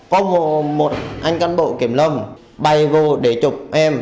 có một anh canh bộ kiểm lâm bay vô để chụp em